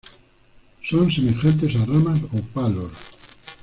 Son semejantes a ramas o palos.